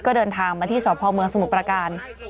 ก็เดินทางมาที่สพเมืองสมุทรประการ